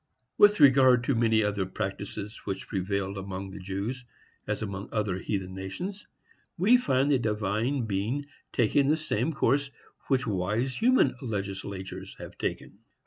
With regard to many other practices which prevailed among the Jews, as among other heathen nations, we find the Divine Being taking the same course which wise human legislators have taken.